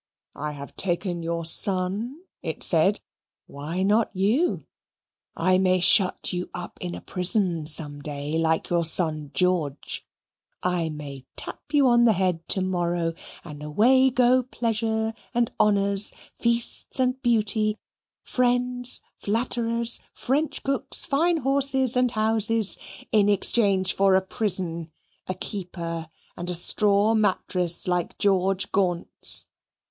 "I have taken your son," it said, "why not you? I may shut you up in a prison some day like your son George. I may tap you on the head to morrow, and away go pleasure and honours, feasts and beauty, friends, flatterers, French cooks, fine horses and houses in exchange for a prison, a keeper, and a straw mattress like George Gaunt's."